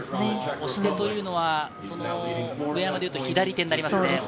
押し手というのは、上山でいうと左手になりますね。